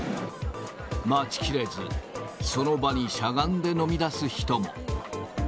待ちきれず、その場にしゃがんで飲みだす人も。